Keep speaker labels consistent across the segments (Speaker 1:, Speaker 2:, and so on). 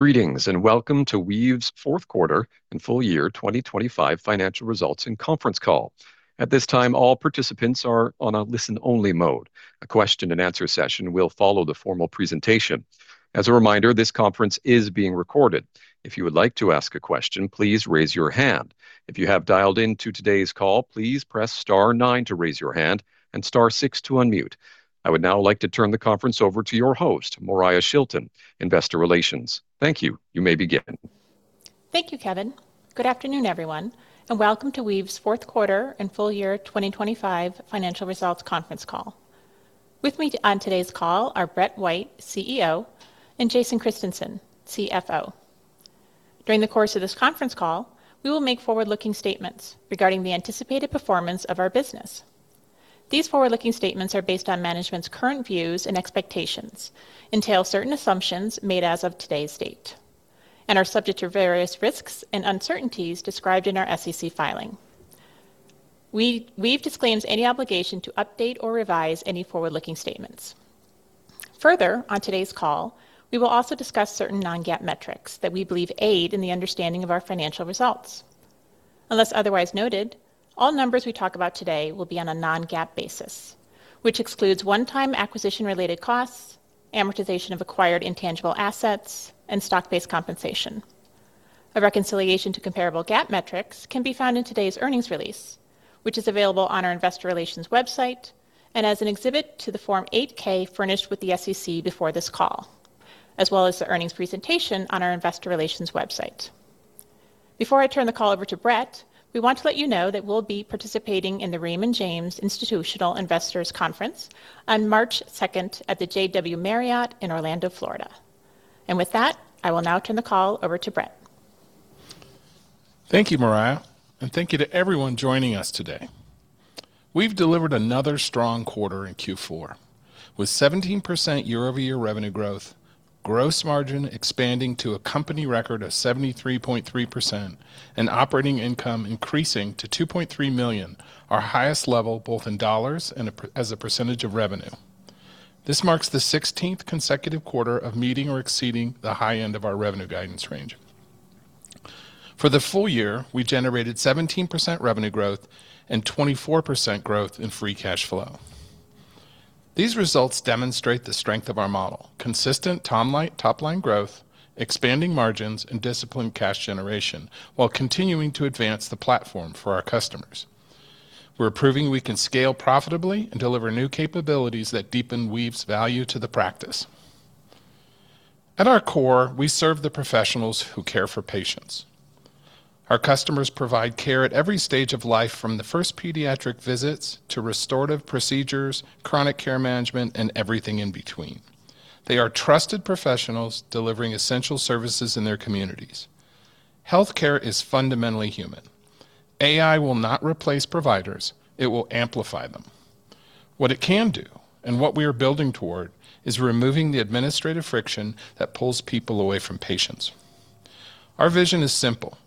Speaker 1: Greetings, and welcome to Weave's fourth quarter and full year 2025 financial results and conference call. At this time, all participants are on a listen-only mode. A question and answer session will follow the formal presentation. As a reminder, this conference is being recorded. If you would like to ask a question, please raise your hand. If you have dialed in to today's call, please press star nine to raise your hand and star six to unmute. I would now like to turn the conference over to your host, Moriah Shilton, Investor Relations. Thank you. You may begin.
Speaker 2: Thank you, Kevin. Good afternoon, everyone, and welcome to Weave's fourth quarter and full year 2025 financial results conference call. With me on today's call are Brett White, CEO, and Jason Christiansen, CFO. During the course of this conference call, we will make forward-looking statements regarding the anticipated performance of our business. These forward-looking statements are based on management's current views and expectations, entail certain assumptions made as of today's date, and are subject to various risks and uncertainties described in our SEC filing. Weave disclaims any obligation to update or revise any forward-looking statements. Further, on today's call, we will also discuss certain non-GAAP metrics that we believe aid in the understanding of our financial results. Unless otherwise noted, all numbers we talk about today will be on a non-GAAP basis, which excludes one-time acquisition-related costs, amortization of acquired intangible assets, and stock-based compensation. A reconciliation to comparable GAAP metrics can be found in today's earnings release, which is available on our investor relations website and as an exhibit to the Form 8-K furnished with the SEC before this call, as well as the earnings presentation on our investor relations website. Before I turn the call over to Brett, we want to let you know that we'll be participating in the Raymond James Institutional Investors Conference on March 2nd at the JW Marriott in Orlando, Florida. With that, I will now turn the call over to Brett.
Speaker 3: Thank you, Moriah, and thank you to everyone joining us today. We've delivered another strong quarter in Q4, with 17% year-over-year revenue growth, gross margin expanding to a company record of 73.3%, and operating income increasing to $2.3 million, our highest level both in dollars and as a percentage of revenue. This marks the 16th consecutive quarter of meeting or exceeding the high end of our revenue guidance range. For the full year, we generated 17% revenue growth and 24% growth in free cash flow. These results demonstrate the strength of our model: consistent top-line growth, expanding margins, and disciplined cash generation, while continuing to advance the platform for our customers. We're proving we can scale profitably and deliver new capabilities that deepen Weave's value to the practice. At our core, we serve the professionals who care for patients. Our customers provide care at every stage of life, from the first pediatric visits to restorative procedures, chronic care management, and everything in between. They are trusted professionals delivering essential services in their communities. Healthcare is fundamentally human. AI will not replace providers; it will amplify them. What it can do, and what we are building toward, is removing the administrative friction that pulls people away from patients. Our vision is simple: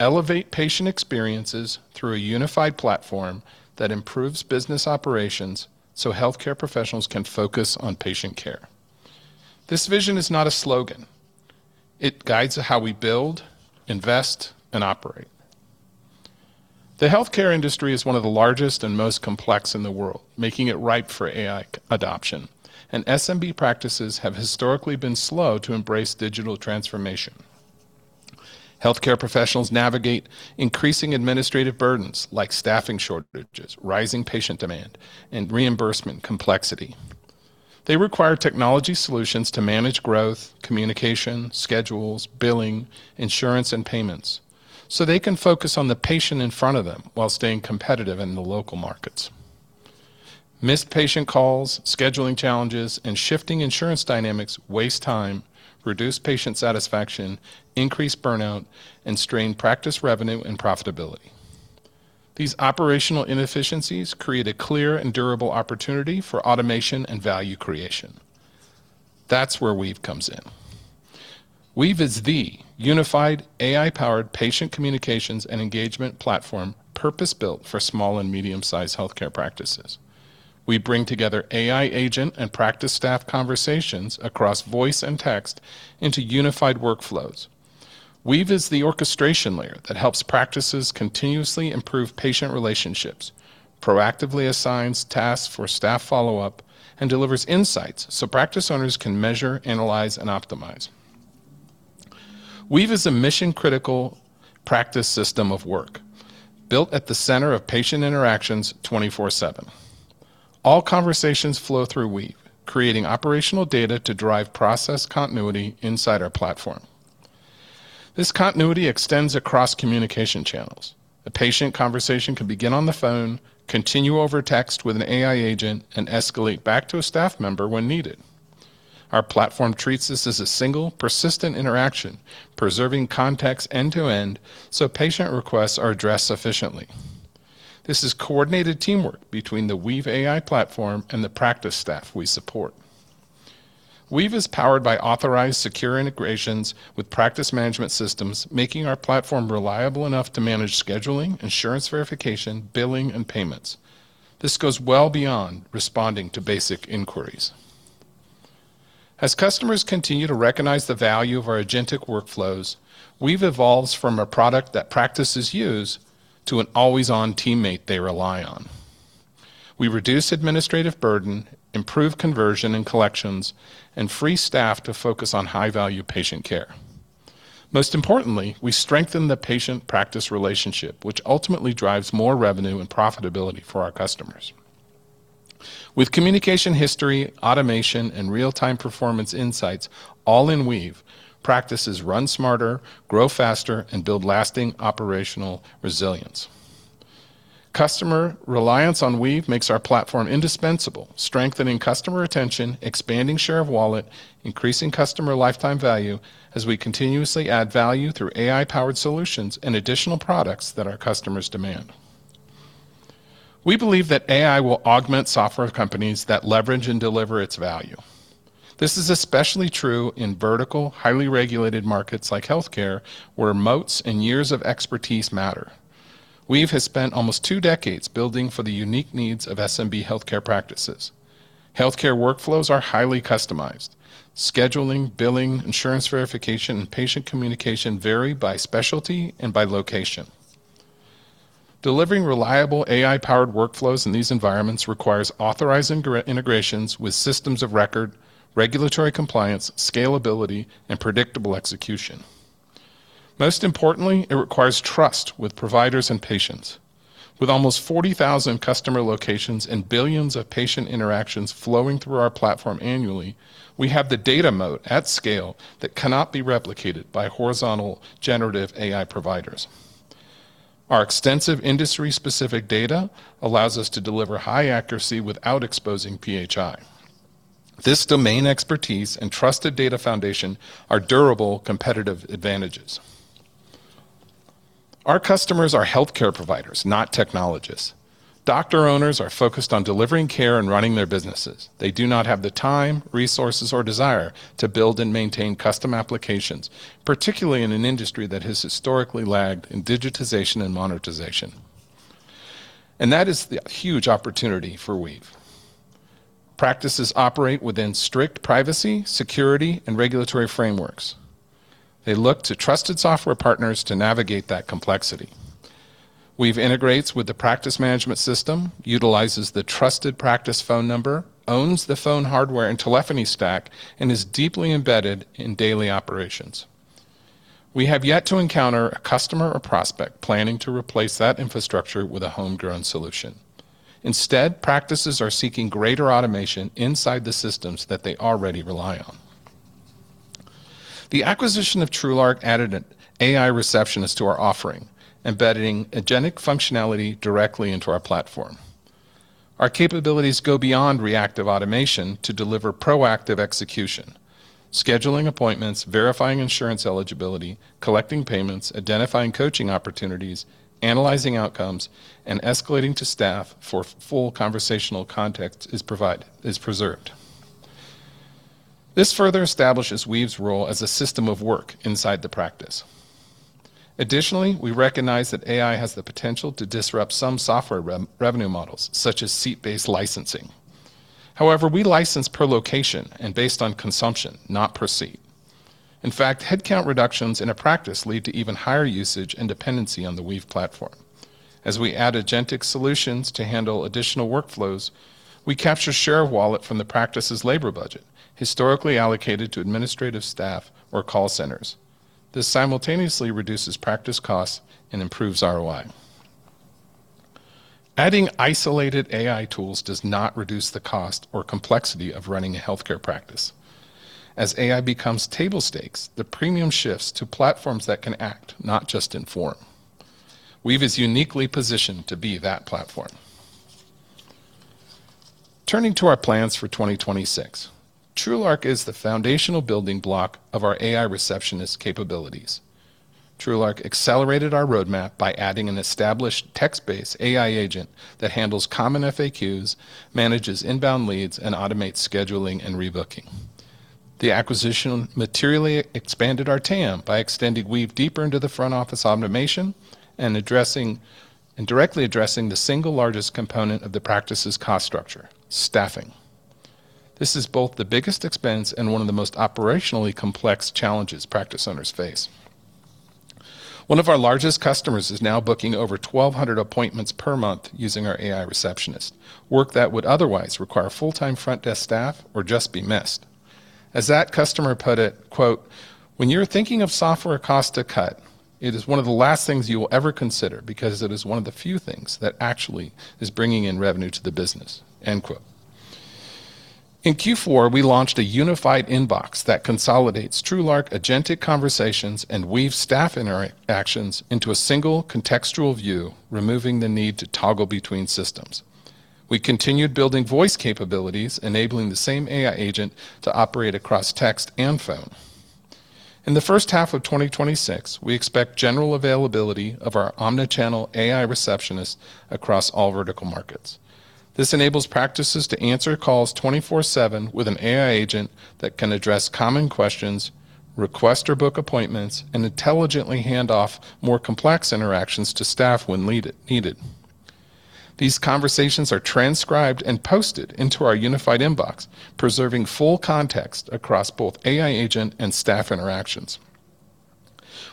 Speaker 3: elevate patient experiences through a unified platform that improves business operations so healthcare professionals can focus on patient care. This vision is not a slogan. It guides how we build, invest, and operate. The healthcare industry is one of the largest and most complex in the world, making it ripe for AI adoption, and SMB practices have historically been slow to embrace digital transformation. Healthcare professionals navigate increasing administrative burdens like staffing shortages, rising patient demand, and reimbursement complexity. They require technology solutions to manage growth, communication, schedules, billing, insurance, and payments, so they can focus on the patient in front of them while staying competitive in the local markets. Missed patient calls, scheduling challenges, and shifting insurance dynamics waste time, reduce patient satisfaction, increase burnout, and strain practice revenue and profitability. These operational inefficiencies create a clear and durable opportunity for automation and value creation. That's where Weave comes in. Weave is the unified, AI-powered patient communications and engagement platform, purpose-built for small and medium-sized healthcare practices. We bring together AI agent and practice staff conversations across voice and text into unified workflows. Weave is the orchestration layer that helps practices continuously improve patient relationships, proactively assigns tasks for staff follow-up, and delivers insights so practice owners can measure, analyze, and optimize. Weave is a mission-critical practice system of work, built at the center of patient interactions 24/7. All conversations flow through Weave, creating operational data to drive process continuity inside our platform. This continuity extends across communication channels. A patient conversation can begin on the phone, continue over text with an AI agent, and escalate back to a staff member when needed. Our platform treats this as a single, persistent interaction, preserving context end to end, so patient requests are addressed efficiently. This is coordinated teamwork between the Weave AI platform and the practice staff we support. Weave is powered by authorized, secure integrations with practice management systems, making our platform reliable enough to manage scheduling, insurance verification, billing, and payments. This goes well beyond responding to basic inquiries. As customers continue to recognize the value of our agentic workflows, Weave evolves from a product that practices use to an always-on teammate they rely on. We reduce administrative burden, improve conversion and collections, and free staff to focus on high-value patient care. Most importantly, we strengthen the patient-practice relationship, which ultimately drives more revenue and profitability for our customers. With communication history, automation, and real-time performance insights all in Weave, practices run smarter, grow faster, and build lasting operational resilience. Customer reliance on Weave makes our platform indispensable, strengthening customer retention, expanding share of wallet, increasing customer lifetime value as we continuously add value through AI-powered solutions and additional products that our customers demand. We believe that AI will augment software companies that leverage and deliver its value. This is especially true in vertical, highly regulated markets like healthcare, where moats and years of expertise matter. Weave has spent almost two decades building for the unique needs of SMB healthcare practices. Healthcare workflows are highly customized. Scheduling, billing, insurance verification, and patient communication vary by specialty and by location. Delivering reliable AI-powered workflows in these environments requires authorized integrations with systems of record, regulatory compliance, scalability, and predictable execution. Most importantly, it requires trust with providers and patients. With almost 40,000 customer locations and billions of patient interactions flowing through our platform annually, we have the data moat at scale that cannot be replicated by horizontal generative AI providers. Our extensive industry-specific data allows us to deliver high accuracy without exposing PHI. This domain expertise and trusted data foundation are durable competitive advantages. Our customers are healthcare providers, not technologists. Doctor-owners are focused on delivering care and running their businesses. They do not have the time, resources, or desire to build and maintain custom applications, particularly in an industry that has historically lagged in digitization and monetization. That is the huge opportunity for Weave. Practices operate within strict privacy, security, and regulatory frameworks. They look to trusted software partners to navigate that complexity. Weave integrates with the practice management system, utilizes the trusted practice phone number, owns the phone hardware and telephony stack, and is deeply embedded in daily operations. We have yet to encounter a customer or prospect planning to replace that infrastructure with a homegrown solution. Instead, practices are seeking greater automation inside the systems that they already rely on. The acquisition of TrueLark added an AI Receptionist to our offering, embedding agentic functionality directly into our platform. Our capabilities go beyond reactive automation to deliver proactive execution, scheduling appointments, verifying insurance eligibility, collecting payments, identifying coaching opportunities, analyzing outcomes, and escalating to staff for full conversational context is preserved. This further establishes Weave's role as a system of work inside the practice. Additionally, we recognize that AI has the potential to disrupt some software revenue models, such as seat-based licensing. However, we license per location and based on consumption, not per seat. In fact, headcount reductions in a practice lead to even higher usage and dependency on the Weave platform. As we add agentic solutions to handle additional workflows, we capture share of wallet from the practice's labor budget, historically allocated to administrative staff or call centers. This simultaneously reduces practice costs and improves ROI. Adding isolated AI tools does not reduce the cost or complexity of running a healthcare practice. As AI becomes table stakes, the premium shifts to platforms that can act, not just inform. Weave is uniquely positioned to be that platform. Turning to our plans for 2026, TrueLark is the foundational building block of our AI Receptionist capabilities. TrueLark accelerated our roadmap by adding an established text-based AI agent that handles common FAQs, manages inbound leads, and automates scheduling and rebooking. The acquisition materially expanded our TAM by extending Weave deeper into the front office automation and directly addressing the single largest component of the practice's cost structure: staffing. This is both the biggest expense and one of the most operationally complex challenges practice owners face. One of our largest customers is now booking over 1,200 appointments per month using our AI Receptionist, work that would otherwise require full-time front desk staff or just be missed. As that customer put it, quote, "When you're thinking of software costs to cut, it is one of the last things you will ever consider because it is one of the few things that actually is bringing in revenue to the business." End quote. In Q4, we launched a Unified Inbox that consolidates TrueLark agentic conversations and Weave staff interactions into a single contextual view, removing the need to toggle between systems. We continued building voice capabilities, enabling the same AI agent to operate across text and phone. In the first half of 2026, we expect general availability of our omnichannel AI Receptionist across all vertical markets. This enables practices to answer calls 24/7 with an AI agent that can address common questions, request or book appointments, and intelligently hand off more complex interactions to staff when needed. These conversations are transcribed and posted into our Unified Inbox, preserving full context across both AI agent and staff interactions.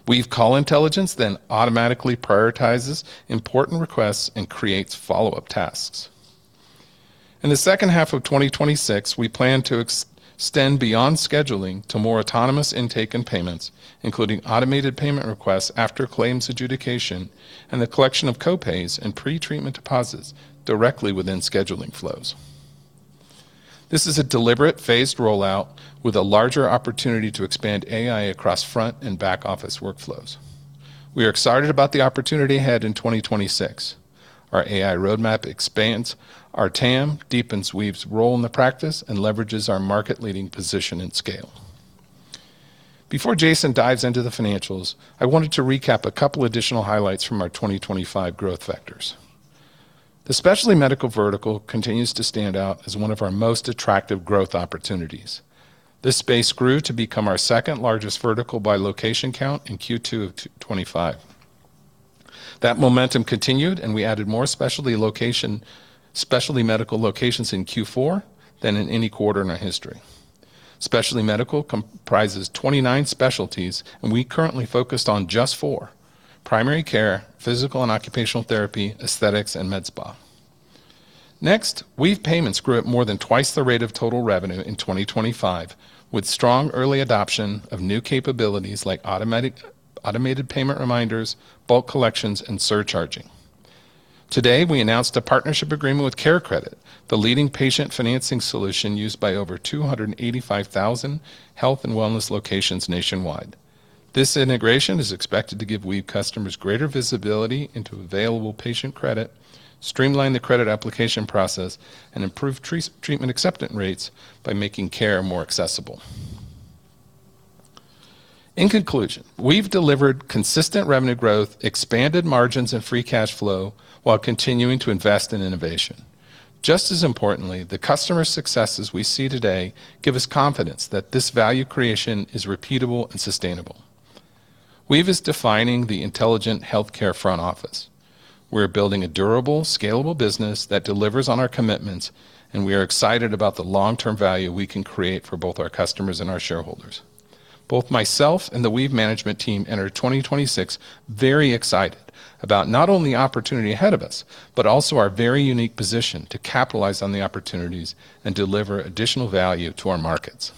Speaker 3: Weave Call Intelligence then automatically prioritizes important requests and creates follow-up tasks. In the second half of 2026, we plan to extend beyond scheduling to more autonomous intake and payments, including automated payment requests after claims adjudication and the collection of co-pays and pre-treatment deposits directly within scheduling flows. This is a deliberate phased rollout with a larger opportunity to expand AI across front and back-office workflows. We are excited about the opportunity ahead in 2026. Our AI roadmap expands our TAM, deepens Weave's role in the practice, and leverages our market-leading position and scale. Before Jason dives into the financials, I wanted to recap a couple additional highlights from our 2025 growth vectors. The specialty medical vertical continues to stand out as one of our most attractive growth opportunities. This space grew to become our second-largest vertical by location count in Q2 of 2025. That momentum continued, and we added more specialty medical locations in Q4 than in any quarter in our history. Specialty medical comprises 29 specialties, and we currently focused on just four: primary care, physical and occupational therapy, aesthetics, and med spa. Next, Weave Payments grew at more than twice the rate of total revenue in 2025, with strong early adoption of new capabilities like automated payment reminders, bulk collections, and surcharging. Today, we announced a partnership agreement with CareCredit, the leading patient financing solution used by over 285,000 health and wellness locations nationwide. This integration is expected to give Weave customers greater visibility into available patient credit, streamline the credit application process, and improve treatment acceptance rates by making care more accessible. In conclusion, Weave delivered consistent revenue growth, expanded margins and free cash flow while continuing to invest in innovation. Just as importantly, the customer successes we see today give us confidence that this value creation is repeatable and sustainable. Weave is defining the intelligent healthcare front office. We're building a durable, scalable business that delivers on our commitments, and we are excited about the long-term value we can create for both our customers and our shareholders. Both myself and the Weave management team enter 2026 very excited about not only the opportunity ahead of us, but also our very unique position to capitalize on the opportunities and deliver additional value to our markets.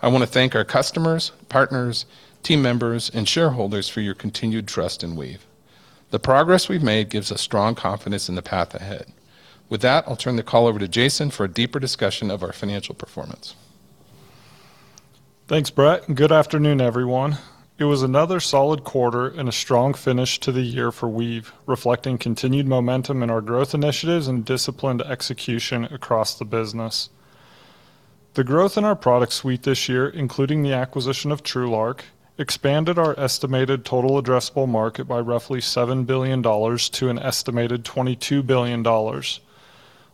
Speaker 3: I want to thank our customers, partners, team members, and shareholders for your continued trust in Weave. The progress we've made gives us strong confidence in the path ahead. With that, I'll turn the call over to Jason for a deeper discussion of our financial performance.
Speaker 4: Thanks, Brett, and good afternoon, everyone. It was another solid quarter and a strong finish to the year for Weave, reflecting continued momentum in our growth initiatives and disciplined execution across the business. The growth in our product suite this year, including the acquisition of TrueLark, expanded our estimated total addressable market by roughly $7 billion to an estimated $22 billion.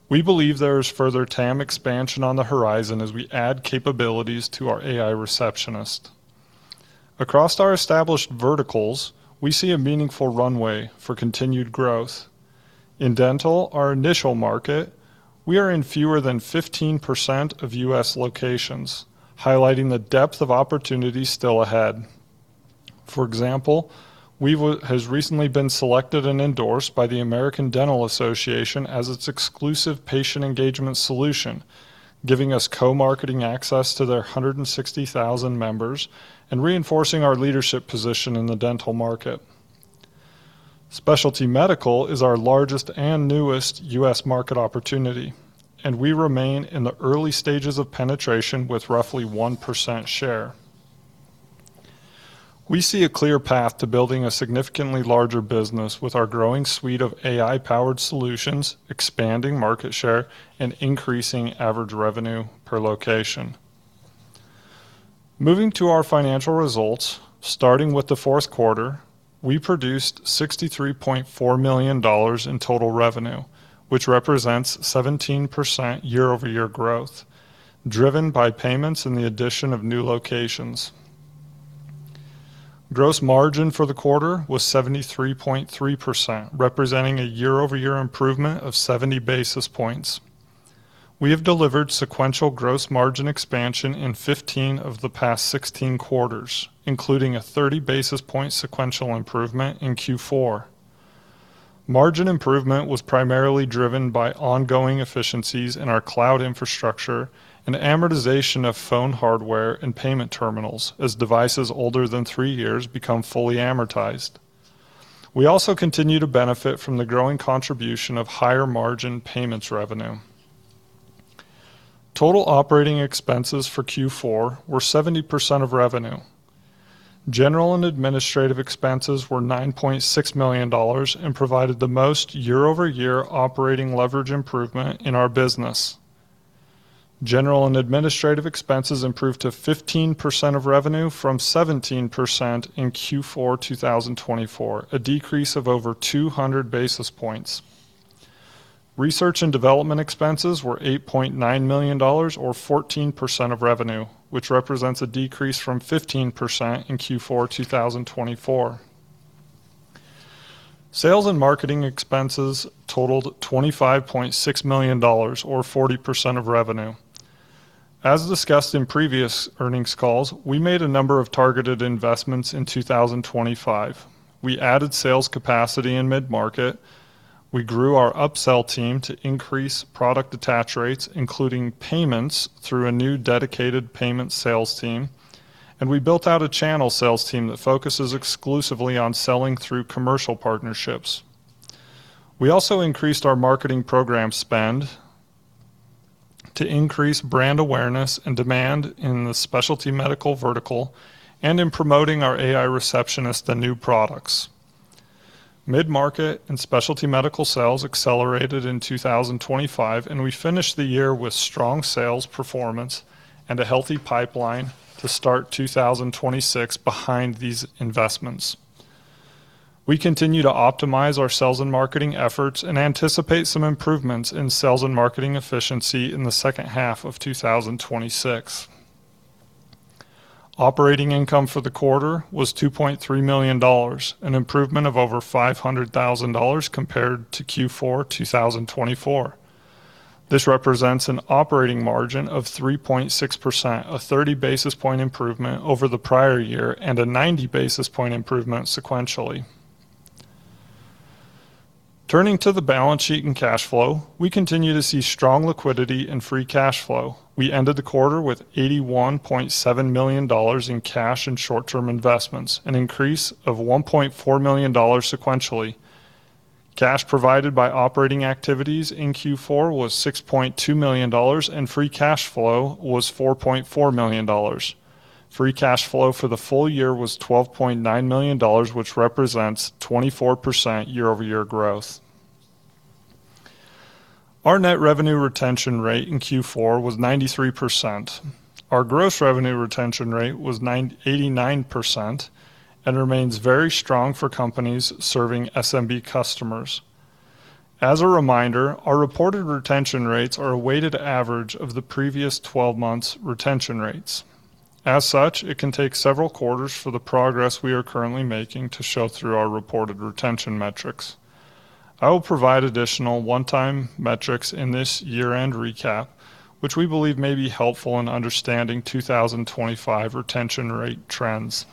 Speaker 4: We believe there is further TAM expansion on the horizon as we add capabilities to our AI Receptionist. Across our established verticals, we see a meaningful runway for continued growth. In dental, our initial market, we are in fewer than 15% of U.S. locations, highlighting the depth of opportunity still ahead. For example, Weave has recently been selected and endorsed by the American Dental Association as its exclusive patient engagement solution, giving us co-marketing access to their 160,000 members and reinforcing our leadership position in the dental market. Specialty medical is our largest and newest U.S. market opportunity, and we remain in the early stages of penetration with roughly 1% share. We see a clear path to building a significantly larger business with our growing suite of AI-powered solutions, expanding market share, and increasing average revenue per location. Moving to our financial results, starting with the fourth quarter, we produced $63.4 million in total revenue, which represents 17% year-over-year growth, driven by payments and the addition of new locations. Gross margin for the quarter was 73.3%, representing a year-over-year improvement of 70 basis points. We have delivered sequential gross margin expansion in 15 of the past 16 quarters, including a 30 basis point sequential improvement in Q4. Margin improvement was primarily driven by ongoing efficiencies in our cloud infrastructure and amortization of phone hardware and payment terminals as devices older than three years become fully amortized. We also continue to benefit from the growing contribution of higher-margin payments revenue. Total operating expenses for Q4 were 70% of revenue. General and administrative expenses were $9.6 million and provided the most year-over-year operating leverage improvement in our business. General and administrative expenses improved to 15% of revenue from 17% in Q4 2024, a decrease of over 200 basis points. Research and development expenses were $8.9 million, or 14% of revenue, which represents a decrease from 15% in Q4 2024. Sales and marketing expenses totaled $25.6 million or 40% of revenue. As discussed in previous earnings calls, we made a number of targeted investments in 2025. We added sales capacity in mid-market. We grew our upsell team to increase product attach rates, including payments through a new dedicated payment sales team, and we built out a channel sales team that focuses exclusively on selling through commercial partnerships. We also increased our marketing program spend to increase brand awareness and demand in the specialty medical vertical, and in promoting our AI Receptionist and new products. Mid-market and specialty medical sales accelerated in 2025, and we finished the year with strong sales performance and a healthy pipeline to start 2026 behind these investments. We continue to optimize our sales and marketing efforts and anticipate some improvements in sales and marketing efficiency in the second half of 2026. Operating income for the quarter was $2.3 million, an improvement of over $500,000 compared to Q4 2024. This represents an operating margin of 3.6%, a 30 basis point improvement over the prior year, and a 90 basis point improvement sequentially. Turning to the balance sheet and cash flow, we continue to see strong liquidity and free cash flow. We ended the quarter with $81.7 million in cash and short-term investments, an increase of $1.4 million sequentially. Cash provided by operating activities in Q4 was $6.2 million, and free cash flow was $4.4 million. Free cash flow for the full year was $12.9 million, which represents 24% year-over-year growth. Our net revenue retention rate in Q4 was 93%. Our gross revenue retention rate was 89% and remains very strong for companies serving SMB customers. As a reminder, our reported retention rates are a weighted average of the previous 12 months' retention rates. As such, it can take several quarters for the progress we are currently making to show through our reported retention metrics. I will provide additional one-time metrics in this year-end recap, which we believe may be helpful in understanding 2025 retention rate trends.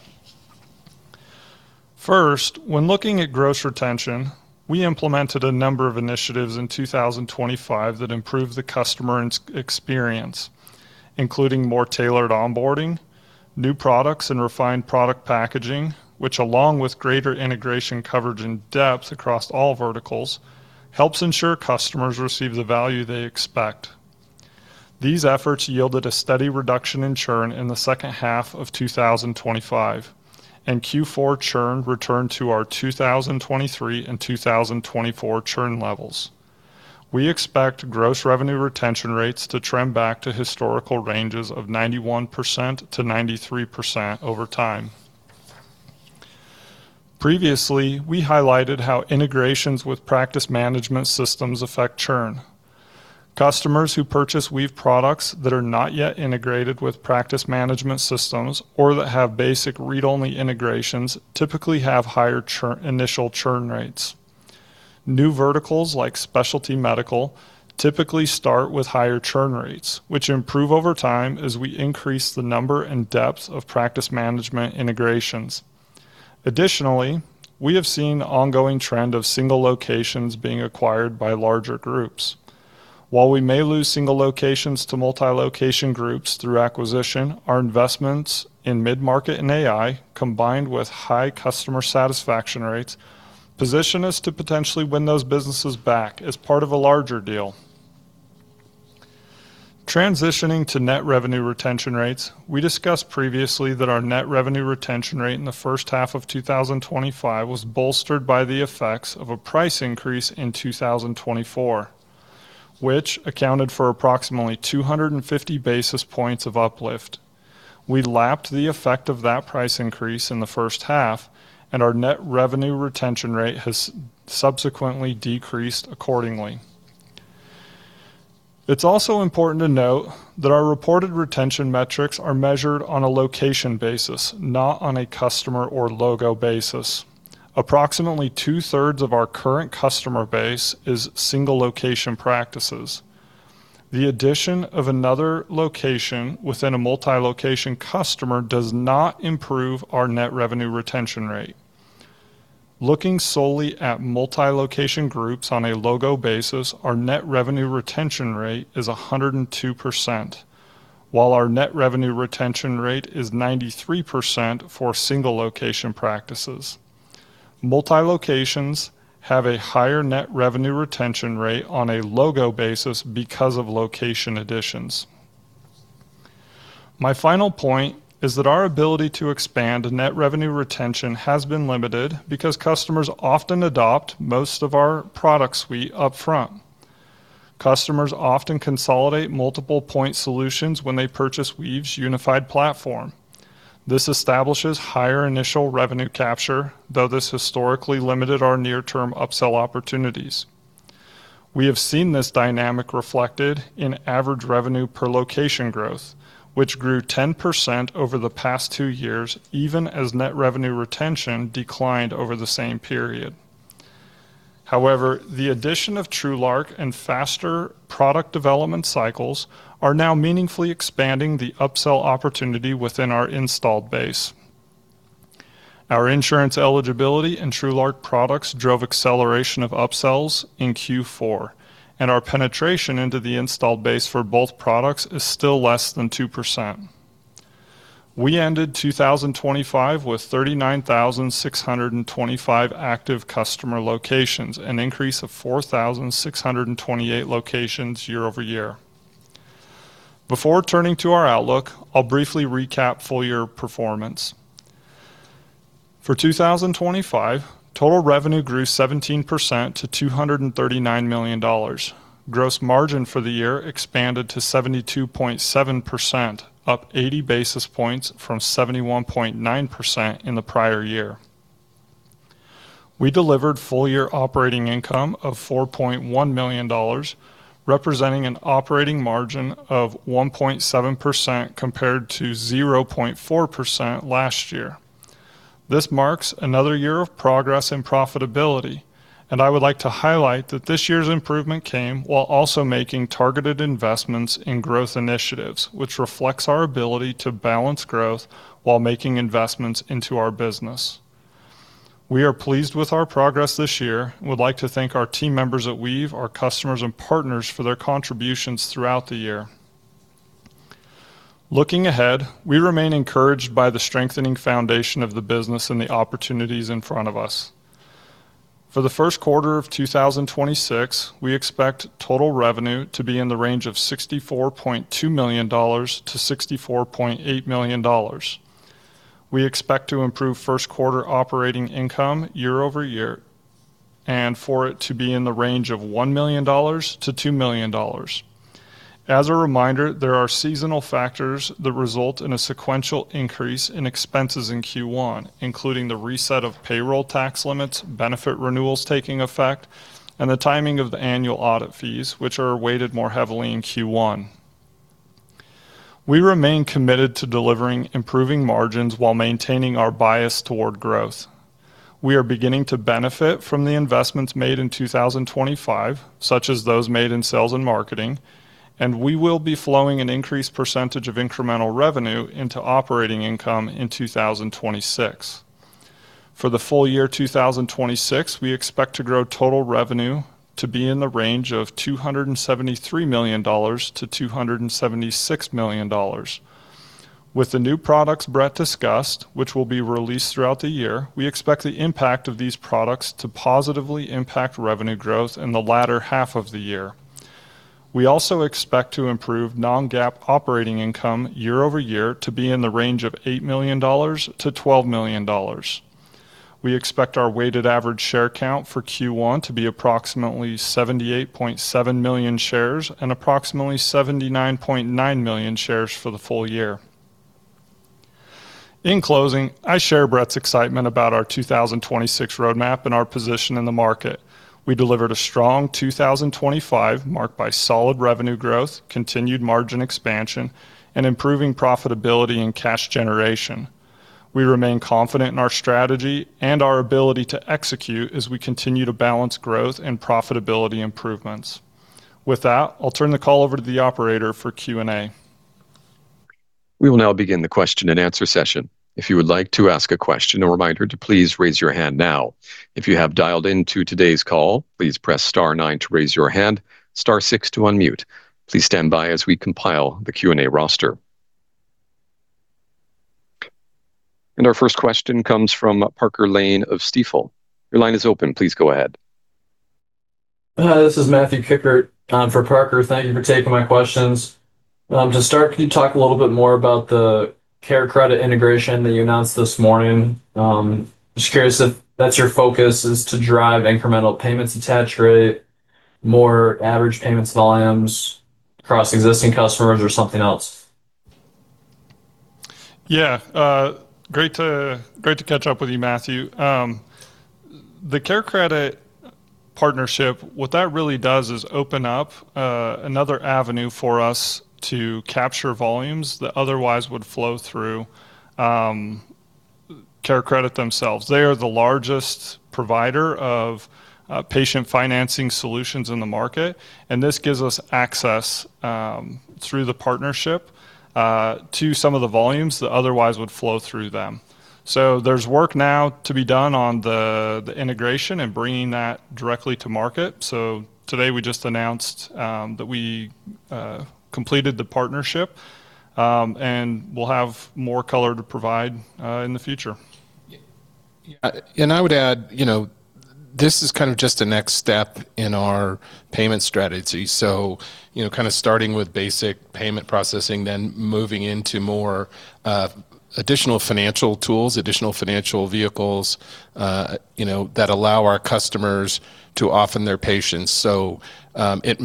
Speaker 4: First, when looking at gross retention, we implemented a number of initiatives in 2025 that improved the customer experience, including more tailored onboarding, new products, and refined product packaging, which, along with greater integration coverage and depth across all verticals, helps ensure customers receive the value they expect. These efforts yielded a steady reduction in churn in the second half of 2025, and Q4 churn returned to our 2023 and 2024 churn levels. We expect gross revenue retention rates to trend back to historical ranges of 91%-93% over time. Previously, we highlighted how integrations with practice management systems affect churn. Customers who purchase Weave products that are not yet integrated with practice management systems, or that have basic read-only integrations, typically have higher initial churn rates. New verticals, like specialty medical, typically start with higher churn rates, which improve over time as we increase the number and depth of practice management integrations. Additionally, we have seen the ongoing trend of single locations being acquired by larger groups. While we may lose single locations to multi-location groups through acquisition, our investments in mid-market and AI, combined with high customer satisfaction rates, position us to potentially win those businesses back as part of a larger deal. Transitioning to net revenue retention rates, we discussed previously that our net revenue retention rate in the first half of 2025 was bolstered by the effects of a price increase in 2024, which accounted for approximately 250 basis points of uplift. We lapped the effect of that price increase in the first half, and our net revenue retention rate has subsequently decreased accordingly. It's also important to note that our reported retention metrics are measured on a location basis, not on a customer or logo basis. Approximately 2/3 of our current customer base is single-location practices. The addition of another location within a multi-location customer does not improve our net revenue retention rate. Looking solely at multi-location groups on a logo basis, our net revenue retention rate is 102%, while our net revenue retention rate is 93% for single-location practices. Multi-locations have a higher net revenue retention rate on a logo basis because of location additions. My final point is that our ability to expand net revenue retention has been limited because customers often adopt most of our product suite upfront. Customers often consolidate multiple point solutions when they purchase Weave's unified platform. This establishes higher initial revenue capture, though this historically limited our near-term upsell opportunities. We have seen this dynamic reflected in average revenue per location growth, which grew 10% over the past two years, even as net revenue retention declined over the same period. However, the addition of TrueLark and faster product development cycles are now meaningfully expanding the upsell opportunity within our installed base. Our insurance eligibility and TrueLark products drove acceleration of upsells in Q4, and our penetration into the installed base for both products is still less than 2%. We ended 2025 with 39,625 active customer locations, an increase of 4,628 locations year-over-year. Before turning to our outlook, I'll briefly recap full year performance. For 2025, total revenue grew 17% to $239 million. Gross margin for the year expanded to 72.7%, up 80 basis points from 71.9% in the prior year. We delivered full year operating income of $4.1 million, representing an operating margin of 1.7%, compared to 0.4% last year. This marks another year of progress and profitability, and I would like to highlight that this year's improvement came while also making targeted investments in growth initiatives, which reflects our ability to balance growth while making investments into our business. We are pleased with our progress this year, and would like to thank our team members at Weave, our customers, and partners for their contributions throughout the year. Looking ahead, we remain encouraged by the strengthening foundation of the business and the opportunities in front of us. For the first quarter of 2026, we expect total revenue to be in the range of $64.2 million-$64.8 million. We expect to improve first quarter operating income year-over-year, and for it to be in the range of $1 million-$2 million. As a reminder, there are seasonal factors that result in a sequential increase in expenses in Q1, including the reset of payroll tax limits, benefit renewals taking effect, and the timing of the annual audit fees, which are weighted more heavily in Q1. We remain committed to delivering improving margins while maintaining our bias toward growth. We are beginning to benefit from the investments made in 2025, such as those made in sales and marketing, and we will be flowing an increased percentage of incremental revenue into operating income in 2026. For the full year 2026, we expect to grow total revenue to be in the range of $273 million-$276 million. With the new products Brett discussed, which will be released throughout the year, we expect the impact of these products to positively impact revenue growth in the latter half of the year. We also expect to improve non-GAAP operating income year over year to be in the range of $8 million-$12 million. We expect our weighted average share count for Q1 to be approximately 78.7 million shares, and approximately 79.9 million shares for the full year. In closing, I share Brett's excitement about our 2026 roadmap and our position in the market. We delivered a strong 2025, marked by solid revenue growth, continued margin expansion, and improving profitability and cash generation. We remain confident in our strategy and our ability to execute as we continue to balance growth and profitability improvements. With that, I'll turn the call over to the operator for Q&A.
Speaker 1: We will now begin the question and answer session. If you would like to ask a question, a reminder to please raise your hand now. If you have dialed into today's call, please press star nine to raise your hand, star six to unmute. Please stand by as we compile the Q&A roster. Our first question comes from Parker Lane of Stifel. Your line is open. Please go ahead.
Speaker 5: This is Matthew Kikkert, for Parker. Thank you for taking my questions. To start, can you talk a little bit more about the CareCredit integration that you announced this morning? Just curious if that's your focus, is to drive incremental payments attach rate, more average payments volumes across existing customers, or something else?
Speaker 4: Yeah. Great to catch up with you, Matthew. The CareCredit partnership, what that really does is open up another avenue for us to capture volumes that otherwise would flow through CareCredit themselves. They are the largest provider of patient financing solutions in the market, and this gives us access through the partnership to some of the volumes that otherwise would flow through them. So there's work now to be done on the integration and bringing that directly to market. So today, we just announced that we completed the partnership, and we'll have more color to provide in the future.
Speaker 3: Yeah, and I would add, you know, this is kind of just a next step in our payment strategy. So, you know, kind of starting with basic payment processing, then moving into more, additional financial tools, additional financial vehicles, you know, that allow our customers to offer their patients. So, it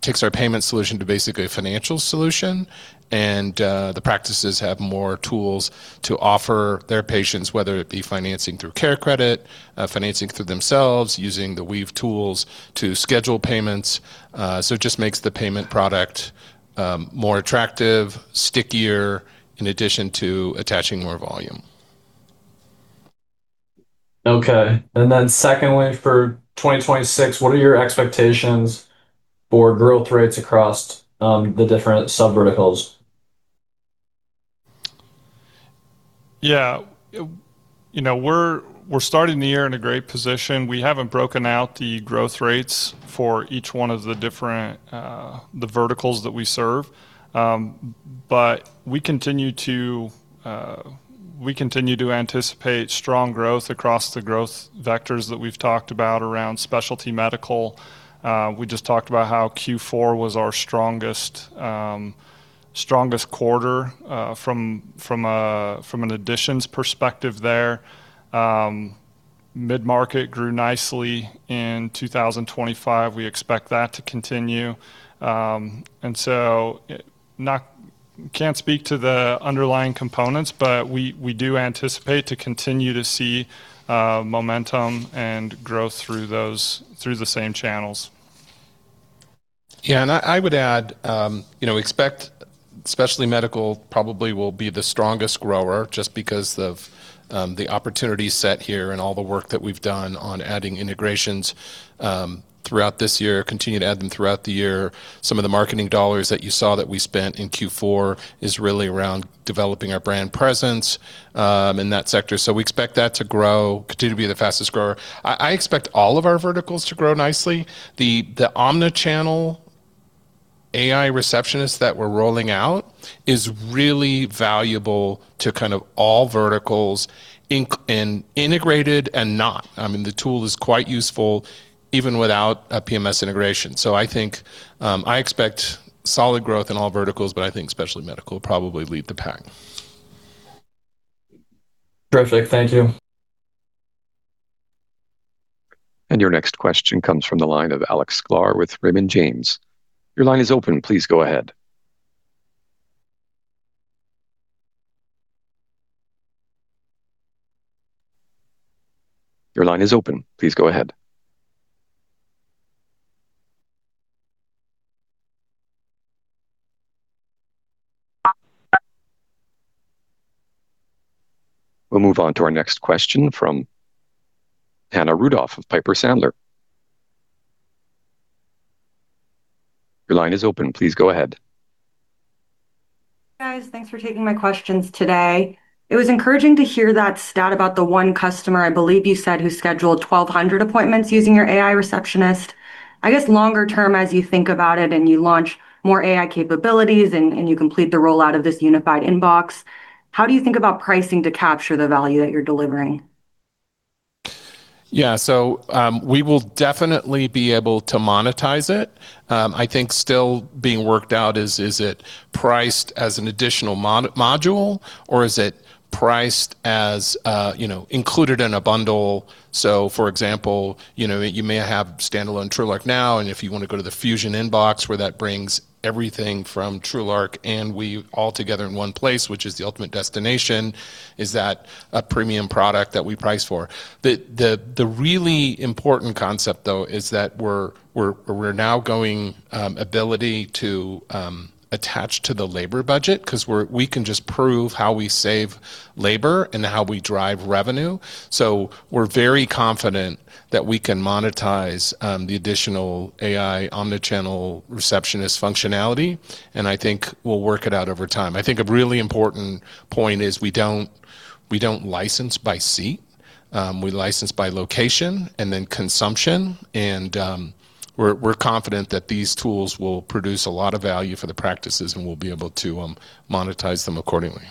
Speaker 3: takes our payment solution to basically a financial solution, and, the practices have more tools to offer their patients, whether it be financing through CareCredit, financing through themselves, using the Weave tools to schedule payments. So it just makes the payment product, more attractive, stickier, in addition to attaching more volume.
Speaker 5: Okay. And then secondly, for 2026, what are your expectations for growth rates across the different subverticals?
Speaker 4: Yeah. You know, we're starting the year in a great position. We haven't broken out the growth rates for each one of the different the verticals that we serve. But we continue to anticipate strong growth across the growth vectors that we've talked about around specialty medical. We just talked about how Q4 was our strongest quarter from an additions perspective there. Mid-market grew nicely in 2025. We expect that to continue. And so can't speak to the underlying components, but we do anticipate to continue to see momentum and growth through those the same channels.
Speaker 3: Yeah, and I, I would add, you know, expect specialty medical probably will be the strongest grower, just because of the opportunity set here and all the work that we've done on adding integrations throughout this year, continue to add them throughout the year. Some of the marketing dollars that you saw that we spent in Q4 is really around developing our brand presence in that sector. So we expect that to grow, continue to be the fastest grower. I, I expect all of our verticals to grow nicely. The, the omnichannel AI Receptionist that we're rolling out is really valuable to kind of all verticals in integrated and not. I mean, the tool is quite useful even without a PMS integration. So I think, I expect solid growth in all verticals, but I think specialty medical will probably lead the pack.
Speaker 5: Perfect. Thank you.
Speaker 1: Your next question comes from the line of Alex Sklar with Raymond James. Your line is open. Please go ahead. Your line is open. Please go ahead. We'll move on to our next question from Hannah Rudoff of Piper Sandler. Your line is open. Please go ahead.
Speaker 6: Guys, thanks for taking my questions today. It was encouraging to hear that stat about the one customer, I believe you said, who scheduled 1,200 appointments using your AI Receptionist. I guess longer term, as you think about it and you launch more AI capabilities and you complete the rollout of this Unified Inbox, how do you think about pricing to capture the value that you're delivering?
Speaker 3: Yeah. So, we will definitely be able to monetize it. I think still being worked out is, is it priced as an additional module, or is it priced as, you know, included in a bundle? So for example, you know, you may have standalone TrueLark now, and if you want to go to the Fusion Inbox, where that brings everything from TrueLark and Weave all together in one place, which is the ultimate destination, is that a premium product that we price for? The, the, the really important concept, though, is that we're, we're, we're now going, ability to, attach to the labor budget, 'cause we can just prove how we save labor and how we drive revenue. So we're very confident that we can monetize, the additional AI omnichannel receptionist functionality, and I think we'll work it out over time. I think a really important point is we don't, we don't license by seat. We license by location and then consumption, and we're, we're confident that these tools will produce a lot of value for the practices, and we'll be able to monetize them accordingly.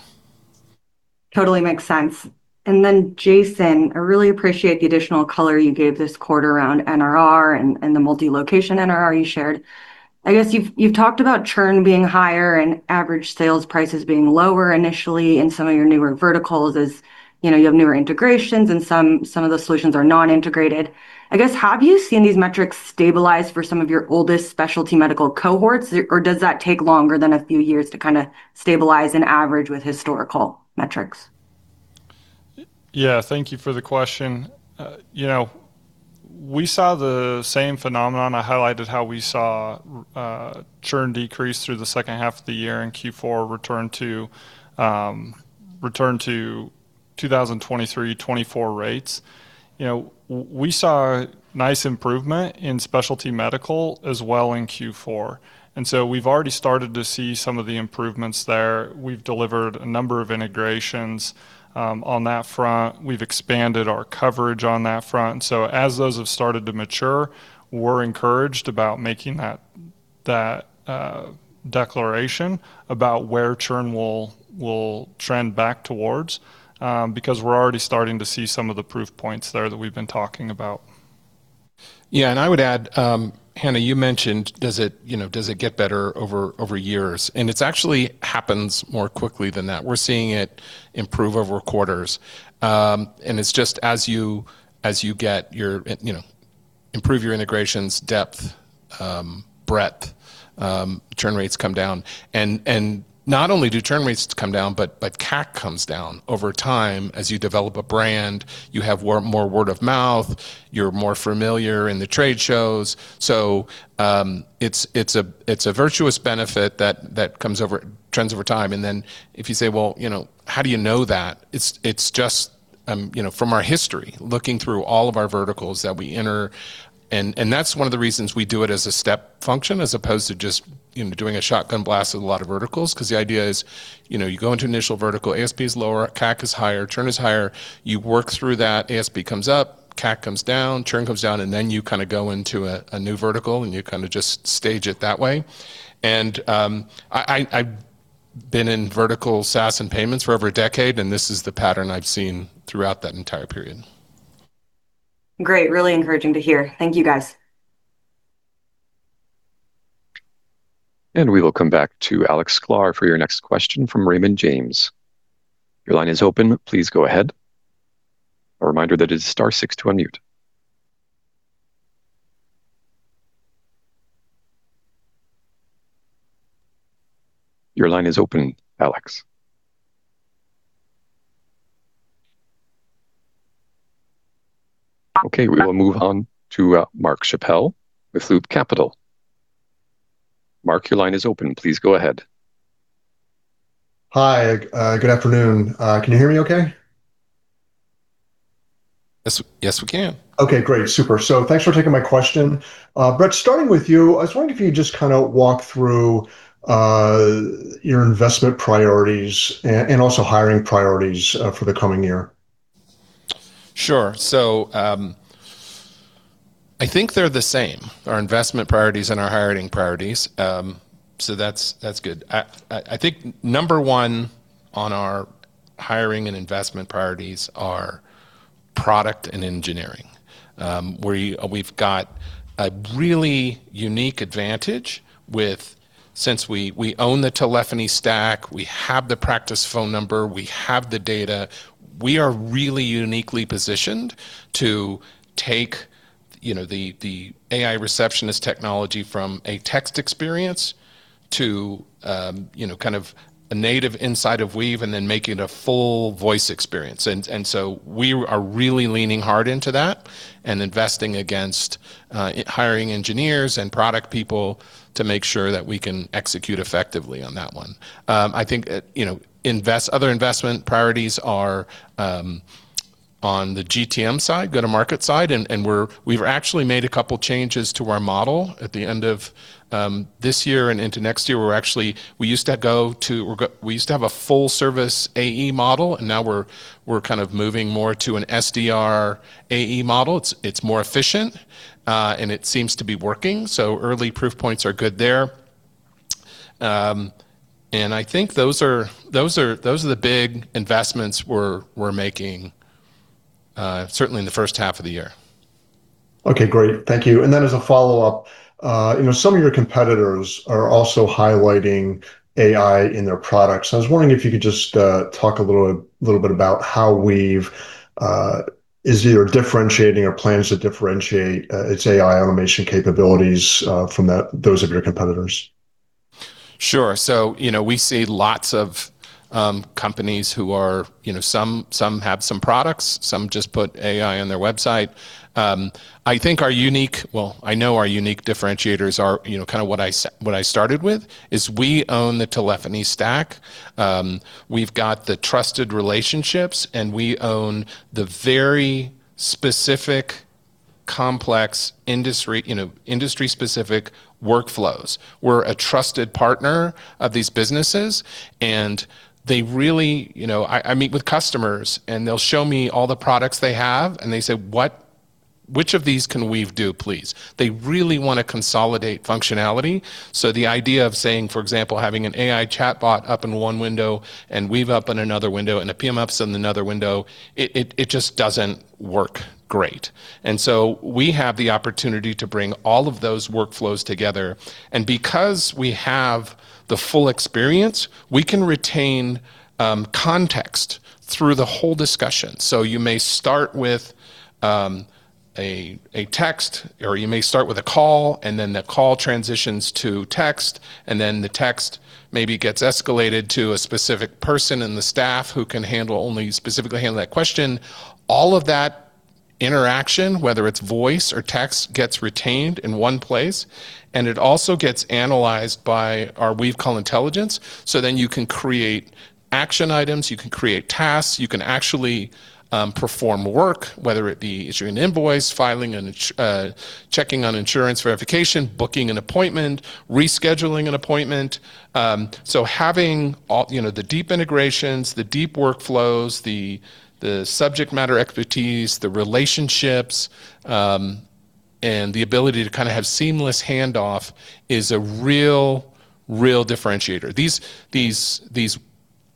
Speaker 6: Totally makes sense. And then, Jason, I really appreciate the additional color you gave this quarter around NRR and the multi-location NRR you shared. I guess you've talked about churn being higher and average sales prices being lower initially in some of your newer verticals, as, you know, you have newer integrations and some of the solutions are non-integrated. I guess, have you seen these metrics stabilize for some of your oldest specialty medical cohorts, or does that take longer than a few years to kinda stabilize and average with historical metrics?
Speaker 4: Yeah, thank you for the question. You know, we saw the same phenomenon. I highlighted how we saw churn decrease through the second half of the year, and Q4 return to 2023, 2024 rates. You know, we saw a nice improvement in specialty medical as well in Q4, and so we've already started to see some of the improvements there. We've delivered a number of integrations on that front. We've expanded our coverage on that front. So as those have started to mature, we're encouraged about making that declaration about where churn will trend back towards because we're already starting to see some of the proof points there that we've been talking about.
Speaker 3: Yeah, I would add, Hannah, you mentioned, does it, you know, does it get better over years? It actually happens more quickly than that. We're seeing it improve over quarters. It's just as you get your, you know, improve your integrations, depth, breadth, churn rates come down. Not only do churn rates come down, but CAC comes down over time. As you develop a brand, you have more word of mouth, you're more familiar in the trade shows. It's a virtuous benefit that comes over—trends over time. If you say, well, you know, how do you know that? It's just, you know, from our history, looking through all of our verticals that we enter. And that's one of the reasons we do it as a step function, as opposed to just, you know, doing a shotgun blast with a lot of verticals. 'Cause the idea is, you know, you go into initial vertical, ASP is lower, CAC is higher, churn is higher. You work through that, ASP comes up, CAC comes down, churn comes down, and then you kinda go into a new vertical, and you kinda just stage it that way. And, I've been in vertical SaaS and payments for over a decade, and this is the pattern I've seen throughout that entire period.
Speaker 6: Great, really encouraging to hear. Thank you, guys.
Speaker 1: We will come back to Alex Sklar for your next question from Raymond James. Your line is open. Please go ahead. A reminder that it is star six to unmute. Your line is open, Alex. Okay, we will move on to Mark Schappel with Loop Capital. Mark, your line is open. Please go ahead.
Speaker 7: Hi. Good afternoon. Can you hear me okay?
Speaker 1: Yes, yes, we can.
Speaker 7: Okay, great. Super. Thanks for taking my question. Brett, starting with you, I was wondering if you could just kinda walk through your investment priorities and also hiring priorities for the coming year.
Speaker 3: Sure. So, I think they're the same, our investment priorities and our hiring priorities. So that's good. I think number one on our hiring and investment priorities are product and engineering, where we've got a really unique advantage with... Since we own the telephony stack, we have the practice phone number, we have the data, we are really uniquely positioned to take, you know, the AI Receptionist technology from a text experience to, you know, kind of a native inside of Weave, and then make it a full voice experience. And so we are really leaning hard into that and investing against hiring engineers and product people to make sure that we can execute effectively on that one. I think, you know, other investment priorities are on the GTM side, go-to-market side, and we've actually made a couple changes to our model at the end of this year and into next year, where we're actually we used to have a full service AE model, and now we're, we're kind of moving more to an SDR/AE model. It's, it's more efficient, and it seems to be working, so early proof points are good there. And I think those are, those are, those are the big investments we're, we're making, certainly in the first half of the year.
Speaker 7: Okay, great. Thank you. And then as a follow-up, you know, some of your competitors are also highlighting AI in their products. I was wondering if you could just talk a little bit about how Weave is either differentiating or plans to differentiate its AI automation capabilities from those of your competitors.
Speaker 3: Sure. So, you know, we see lots of companies who are, you know, some, some have some products, some just put AI on their website. I think our unique—well, I know our unique differentiators are, you know, kinda what I started with, is we own the telephony stack. We've got the trusted relationships, and we own the very specific, complex industry, you know, industry-specific workflows. We're a trusted partner of these businesses, and they really... You know, I meet with customers, and they'll show me all the products they have, and they say: "Which of these can Weave do, please?" They really wanna consolidate functionality. So the idea of saying, for example, having an AI chatbot up in one window and Weave up in another window, and a PMS in another window, it just doesn't work great. We have the opportunity to bring all of those workflows together, and because we have the full experience, we can retain context through the whole discussion. You may start with a text, or you may start with a call, and then the call transitions to text, and then the text maybe gets escalated to a specific person in the staff who can specifically handle that question. All of that interaction, whether it's voice or text, gets retained in one place, and it also gets analyzed by our Weave Call Intelligence. Then you can create action items, you can create tasks, you can actually perform work, whether it be issuing an invoice, checking on insurance verification, booking an appointment, rescheduling an appointment. So having all, you know, the deep integrations, the deep workflows, the subject matter expertise, the relationships, and the ability to kinda have seamless handoff is a real, real differentiator. These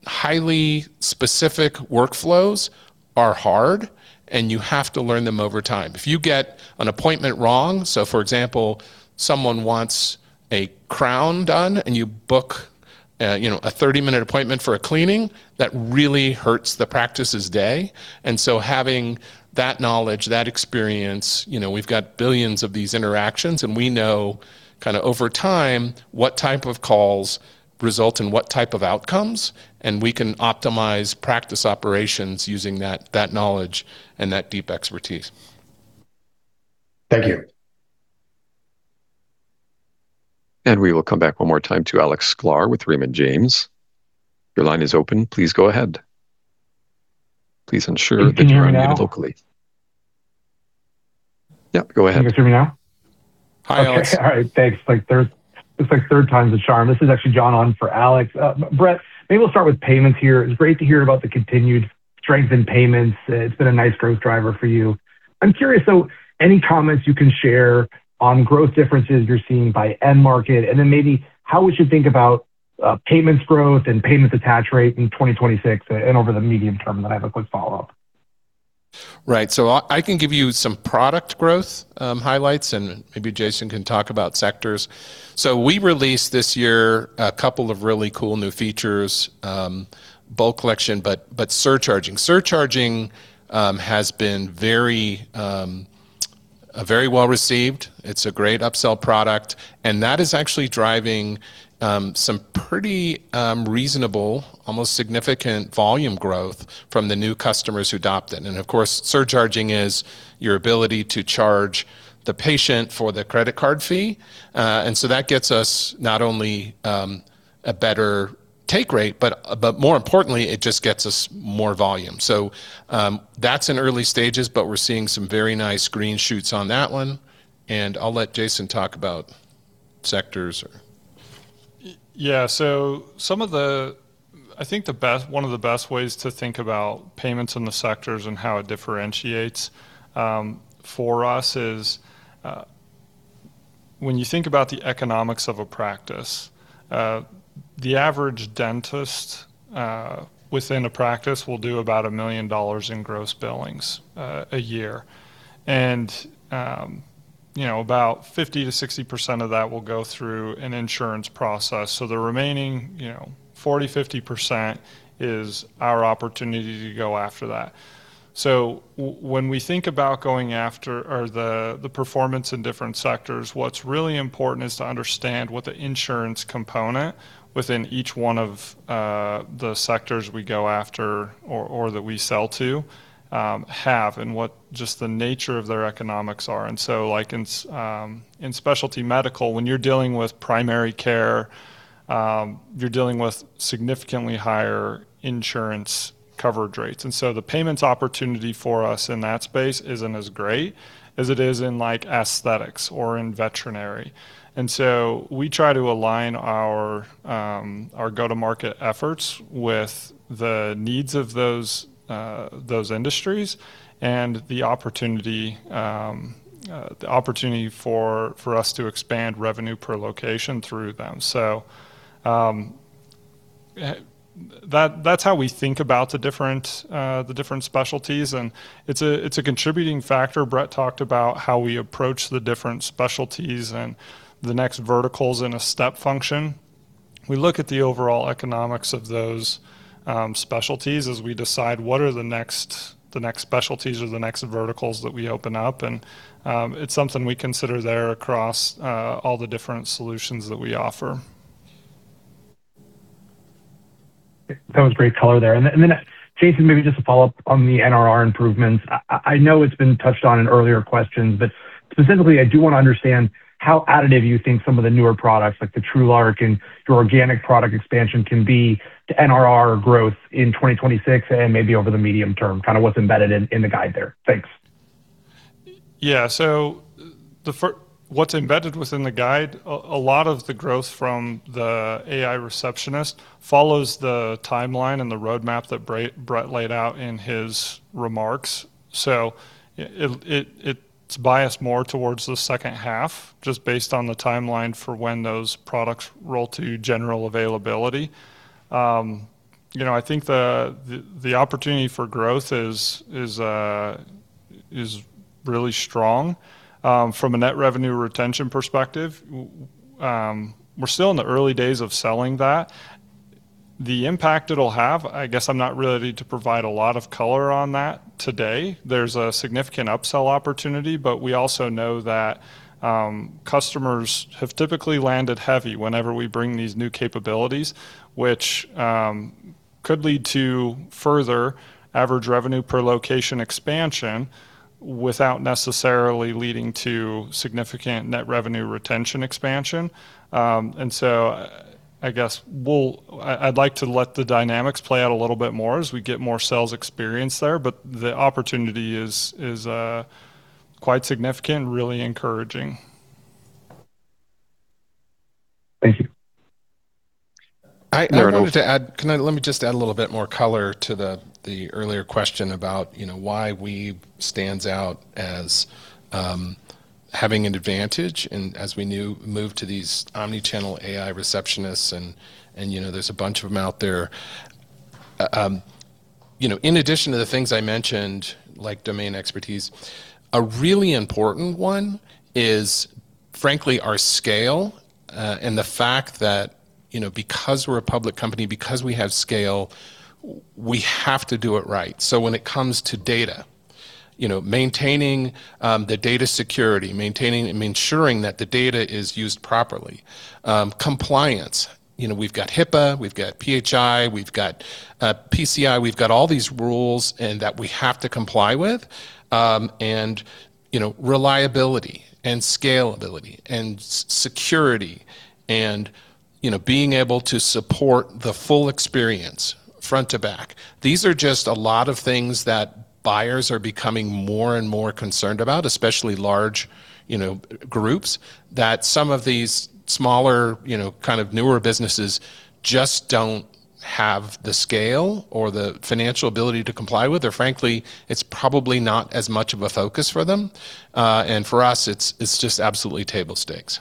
Speaker 3: highly specific workflows are hard, and you have to learn them over time. If you get an appointment wrong, so for example, someone wants a crown done, and you book, you know, a 30-minute appointment for a cleaning, that really hurts the practice's day. And so having that knowledge, that experience, you know, we've got billions of these interactions, and we know kinda over time, what type of calls result in what type of outcomes, and we can optimize practice operations using that knowledge and that deep expertise.
Speaker 1: Thank you. We will come back one more time to Alex Sklar with Raymond James. Your line is open. Please go ahead. Please ensure that you're on mute locally.
Speaker 8: Can you hear me now?
Speaker 1: Yep, go ahead.
Speaker 8: Can you hear me now?
Speaker 3: Hi, Alex.
Speaker 9: Okay. All right, thanks. Like, third time's the charm. This is actually John on for Alex. Brett, maybe we'll start with payments here. It's great to hear about the continued strength in payments. It's been a nice growth driver for you. I'm curious, so any comments you can share on growth differences you're seeing by end market, and then maybe how we should think about payments growth and payments attach rate in 2026, and over the medium term. Then I have a quick follow-up.
Speaker 3: Right. So I can give you some product growth highlights, and maybe Jason can talk about sectors. So we released this year a couple of really cool new features, bill collection, but surcharging. Surcharging has been very very well-received. It's a great upsell product, and that is actually driving some pretty reasonable, almost significant volume growth from the new customers who adopt it. And of course, surcharging is your ability to charge the patient for the credit card fee. And so that gets us not only a better take rate, but more importantly, it just gets us more volume. So that's in early stages, but we're seeing some very nice green shoots on that one, and I'll let Jason talk about sectors or-
Speaker 4: Yeah, so some of the, I think one of the best ways to think about payments in the sectors and how it differentiates for us is when you think about the economics of a practice, the average dentist within a practice will do about $1 million in gross billings a year. And you know, about 50%-60% of that will go through an insurance process. So the remaining, you know, 40%-50% is our opportunity to go after that. So when we think about going after or the performance in different sectors, what's really important is to understand what the insurance component within each one of the sectors we go after or that we sell to have, and what just the nature of their economics are. And so, like, in specialty medical, when you're dealing with primary care, you're dealing with significantly higher insurance coverage rates. And so the payments opportunity for us in that space isn't as great as it is in, like, aesthetics or in veterinary. And so we try to align our, our go-to-market efforts with the needs of those, those industries and the opportunity, the opportunity for, for us to expand revenue per location through them. So, that, that's how we think about the different, the different specialties, and it's a, it's a contributing factor. Brett talked about how we approach the different specialties and the next verticals in a step function. We look at the overall economics of those specialties as we decide what are the next specialties or the next verticals that we open up, and it's something we consider there across all the different solutions that we offer.
Speaker 8: That was great color there. Then, Jason, maybe just a follow-up on the NRR improvements. I know it's been touched on in earlier questions, but specifically, I do want to understand how additive you think some of the newer products, like the TrueLark and your organic product expansion, can be to NRR growth in 2026 and maybe over the medium term, kind of what's embedded in the guide there. Thanks.
Speaker 4: Yeah. So what's embedded within the guide, a lot of the growth from the AI Receptionist follows the timeline and the roadmap that Brett laid out in his remarks. So it's biased more towards the second half, just based on the timeline for when those products roll to general availability. You know, I think the opportunity for growth is really strong. From a net revenue retention perspective, we're still in the early days of selling that. The impact it'll have, I guess I'm not really to provide a lot of color on that today. There's a significant upsell opportunity, but we also know that, customers have typically landed heavy whenever we bring these new capabilities, which, could lead to further average revenue per location expansion without necessarily leading to significant net revenue retention expansion. And so I guess we'll... I, I'd like to let the dynamics play out a little bit more as we get more sales experience there, but the opportunity is, is, quite significant, really encouraging.
Speaker 8: Thank you.
Speaker 3: I wanted to add-
Speaker 1: There are no-
Speaker 3: Can I let me just add a little bit more color to the earlier question about, you know, why Weave stands out as having an advantage and as we move to these omnichannel AI Receptionists, and you know, there's a bunch of them out there. You know, in addition to the things I mentioned, like domain expertise, a really important one is, frankly, our scale, and the fact that, you know, because we're a public company, because we have scale, we have to do it right. So when it comes to data, you know, maintaining the data security, maintaining and ensuring that the data is used properly. Compliance, you know, we've got HIPAA, we've got PHI, we've got PCI, we've got all these rules, and that we have to comply with, and, you know, reliability and scalability and security and, you know, being able to support the full experience front to back. These are just a lot of things that buyers are becoming more and more concerned about, especially large, you know, groups, that some of these smaller, you know, kind of newer businesses just don't have the scale or the financial ability to comply with, or frankly, it's probably not as much of a focus for them. And for us, it's just absolutely table stakes.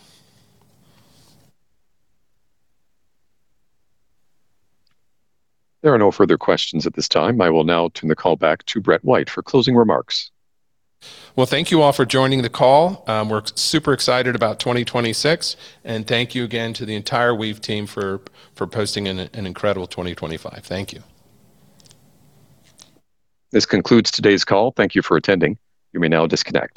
Speaker 1: There are no further questions at this time. I will now turn the call back to Brett White for closing remarks.
Speaker 3: Well, thank you all for joining the call. We're super excited about 2026, and thank you again to the entire Weave team for posting an incredible 2025. Thank you.
Speaker 1: This concludes today's call. Thank you for attending. You may now disconnect.